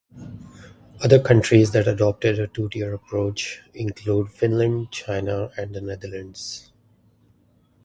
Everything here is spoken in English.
Other countries that adopted a two tier approach include Finland, China, and the Netherlands.